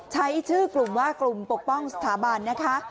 ใช้ชื่อกลุ่มว่ากลุ่มปกป้องสถาบันนะคะ